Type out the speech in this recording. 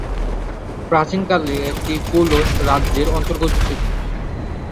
প্রাচীন কালে এটি কোশল রাজ্যের অন্তর্গত ছিল।